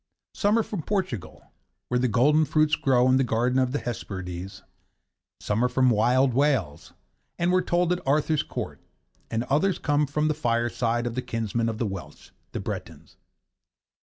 Some are from Portugal, where the golden fruits grow in the Garden of the Hesperides; and some are from wild Wales, and were told at Arthur's Court; and others come from the firesides of the kinsmen of the Welsh, the Bretons.